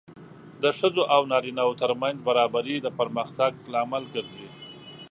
د ښځو او نارینه وو ترمنځ برابري د پرمختګ لامل ګرځي.